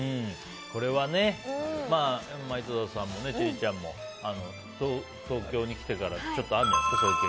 これは井戸田さんも千里ちゃんも東京に来てから、そういう経験あるんじゃないですか。